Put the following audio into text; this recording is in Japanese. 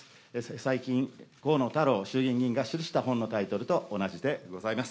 最近、河野太郎衆議院議員が著した本のタイトルと同じでございます。